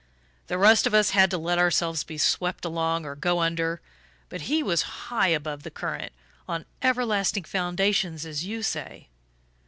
The rest of us had to let ourselves be swept along or go under, but he was high above the current on everlasting foundations, as you say.